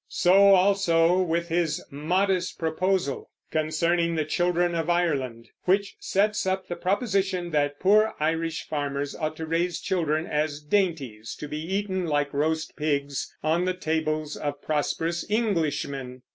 So also with his "Modest Proposal," concerning the children of Ireland, which sets up the proposition that poor Irish farmers ought to raise children as dainties, to be eaten, like roast pigs, on the tables of prosperous Englishmen.